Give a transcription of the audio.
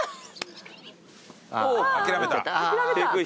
あ諦めた。